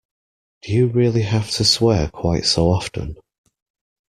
Do you really have to swear quite so often?